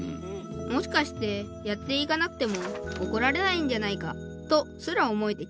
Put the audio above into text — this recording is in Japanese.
もしかしてやっていかなくてもおこられないんじゃないか？とすら思えてきた。